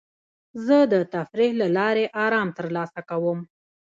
زه د تفریح له لارې ارام ترلاسه کوم.